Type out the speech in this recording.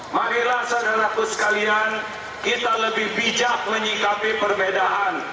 marilah saudara saudara sekalian kita lebih bijak menyikapi perbedaan